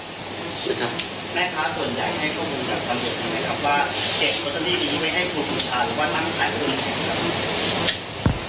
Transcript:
แม่ค้าส่วนใหญ่ให้ข้อมูลกับความรู้สึกอย่างไรครับว่าเกตกษัตริย์ที่นี่ไม่ให้ควบคุมชาติหรือว่าตั้งแผ่งความรู้สึกอย่างไรครับ